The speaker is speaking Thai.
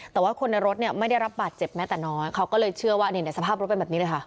แต่ว่าคนในรถเนี่ยไม่ได้รับบาดเจ็บแม้แต่น้อยเขาก็เลยเชื่อว่าสภาพรถเป็นแบบนี้เลยค่ะ